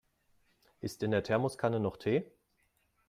Ist in der Thermoskanne noch Tee?